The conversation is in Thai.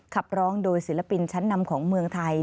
ขับร้องโดยศิลปินชั้นนำของเมืองไทย